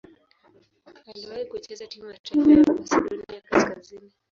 Aliwahi kucheza timu ya taifa ya Masedonia Kaskazini.